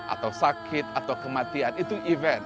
atau sakit atau kematian itu event